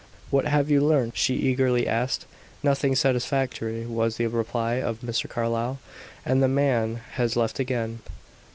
"What have you learnt?" she eagerly asked. "Nothing satisfactory," was the reply of Mr. Carlyle. "And the man has left again."